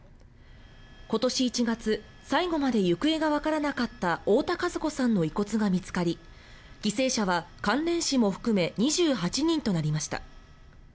今年１月最後まで行方がわからなかった太田和子さんの遺骨が見つかり犠牲者は関連死も含め２８人となりました。